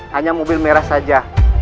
hanya mobil merah saja